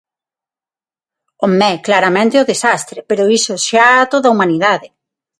Home, claramente ao desastre, pero iso xa toda a humanidade.